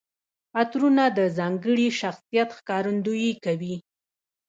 عطرونه د ځانګړي شخصیت ښکارندويي کوي.